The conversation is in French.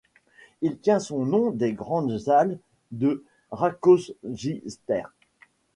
Il tient son nom des Grandes halles de Rákóczi tér.